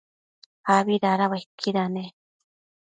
abi dada uaiquida ne?